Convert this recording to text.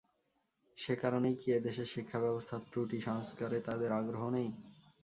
সে কারণেই কি এ দেশের শিক্ষাব্যবস্থার ত্রুটি সংস্কারে তাদের আগ্রহ নেই।